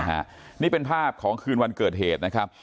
นี่เป็นภาพของคืนวันเกิดเหตุนะครับ